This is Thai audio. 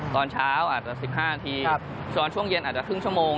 ตอนเช้าอาจจะ๑๕นาทีตอนช่วงเย็นอาจจะครึ่งชั่วโมง